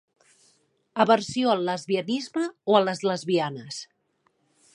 Aversió al lesbianisme o a les lesbianes.